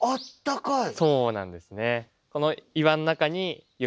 そうなんですね。